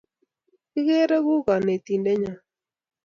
Kigeere ku konetindenyo